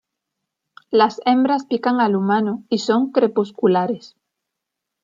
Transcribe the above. Las hembras pican al humano y son crepusculares.